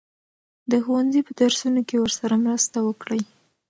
د ښوونځي په درسونو کې ورسره مرسته وکړئ.